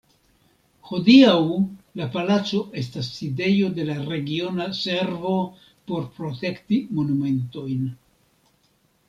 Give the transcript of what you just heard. Hodiaŭ la palaco estas sidejo de la Regiona Servo por Protekti Monumentojn.